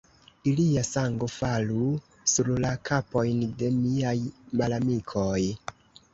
Ilia sango falu sur la kapojn de miaj malamikoj!